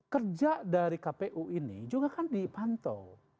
kerja dari kpu ini juga kan dipantau